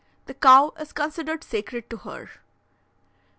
The cow is considered sacred to her.